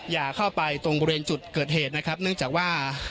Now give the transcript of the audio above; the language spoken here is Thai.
อย่าเข้าไปตรงบริเวณจุดเกิดเหตุนะครับเนื่องจากว่า